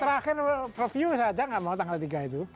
terakhir review saya ajak gak mau tanggal tiga itu